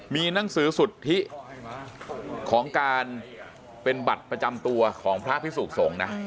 มีหนังสือสุทธิของการเป็นบัตรประจำตัวของพระพิสุขสงฆ์นะ